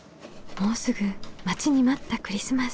もうすぐ待ちに待ったクリスマス。